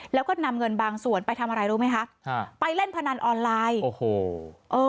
แล้วก็นำเงินบางส่วนไปทำอะไรรู้ไหมคะนะไปเล่นพนันโอ้โห